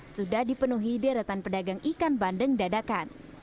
sudah dipenuhi daerah tanpa pedagang ikan bandeng dadakan